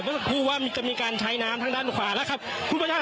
ก็พูดว่ามีจะมีการใช้น้ำทางด้านขวาแล้วครับคุณผู้ชม